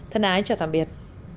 thân ái chào tạm biệt